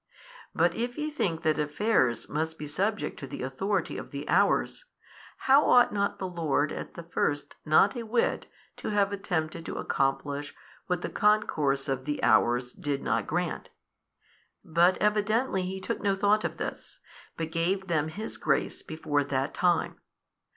But if ye think that affairs must be subject to the authority of the hours, how ought not the Lord at the first not a whit to have attempted to accomplish what the concourse of the hours did not grant? But evidently He took no thought of this, but gave them His Grace before that time.